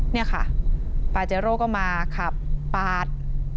นี่ค่ะปาเจโร่ก็มาขับปาด